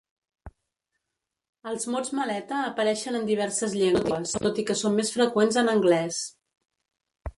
Els mots maleta apareixen en diverses llengües, tot i que són més freqüents en anglès.